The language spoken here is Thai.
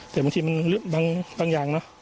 แต่บางทีมันลึกบางอย่างเนอะ